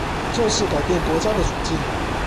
就是改變國家的處境